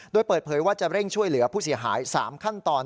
โดยเปิดเผยว่าจะเร่งช่วยเหลือผู้เสียหาย๓ขั้นตอน